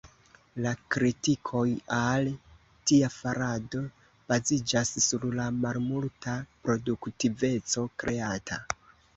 La kritikoj al tia farado baziĝas sur la malmulta produktiveco kreata.